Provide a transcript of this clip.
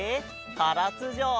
からつじょう！